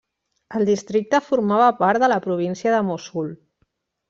El districte formava part de la província de Mossul.